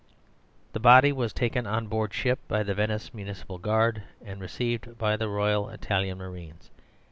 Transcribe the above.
The body was taken on board ship by the Venice Municipal Guard, and received by the Royal Italian marines.